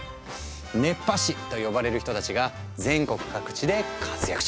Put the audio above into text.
「熱波師」と呼ばれる人たちが全国各地で活躍中。